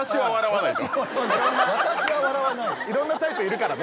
いろんなタイプいるからね。